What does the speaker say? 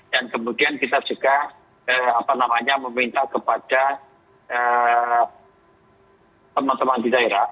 dan kemudian kita juga apa namanya meminta kepada teman teman di daerah